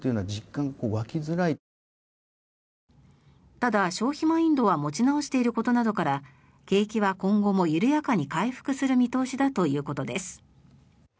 ただ、消費マインドは持ち直していることなどから景気は今後も緩やかに回復する見通しだということです。